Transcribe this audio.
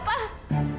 ya allah gimana ini